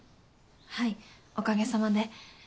はいおかげさまで。